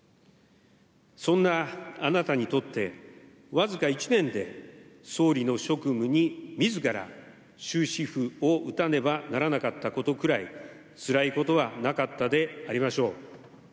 そんなあなたにとって、僅か１年で総理の職務にみずから終止符を打たねばならなかったことくらい、つらいことはなかったでありましょう。